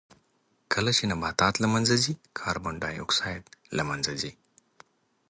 کله چې نباتات له منځه ځي کاربن ډای اکسایډ له منځه ځي.